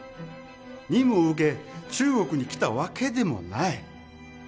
任務を受け、中国に来たわけでもない。